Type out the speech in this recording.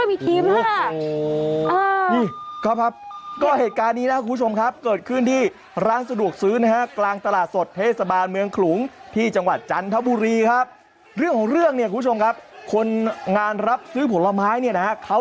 โอ้โหโอ้โหโอ้โหโอ้โหโอ้โหโอ้โหโอ้โหโอ้โหโอ้โหโอ้โหโอ้โหโอ้โหโอ้โหโอ้โหโอ้โหโอ้โหโอ้โหโอ้โหโอ้โหโอ้โหโอ้โหโอ้โหโอ้โหโอ้โหโอ้โหโอ้โหโอ้โหโอ้โหโอ้โหโอ้โหโอ้โหโอ้โหโอ้โหโอ้โหโอ้โหโอ้โหโอ้โห